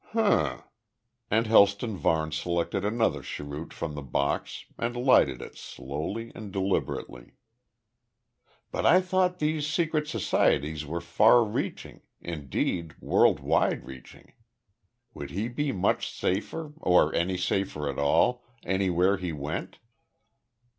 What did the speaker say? "H'm," and Helston Varne selected another cheroot from the box and lighted it slowly and deliberately. "But I thought these secret societies were far reaching, indeed world wide reaching. Would he be much safer or any safer at all anywhere he went?"